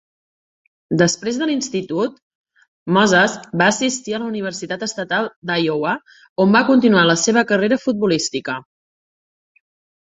Després de l'institut, Moses va assistir a la Universitat Estatal d'Iowa on va continuar la seva carrera futbolística.